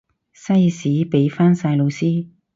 西史畀返晒老師